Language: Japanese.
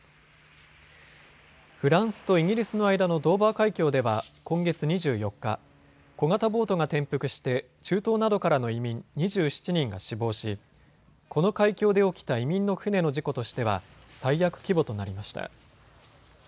フランスとイギリスの間のドーバー海峡では今月２４日、小型ボートが転覆して中東などからの移民２７人が死亡しこの海峡で起きた移民の船の事故としては最悪規模となりました。